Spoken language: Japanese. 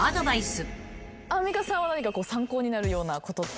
アンミカさんは何か参考になるようなことって。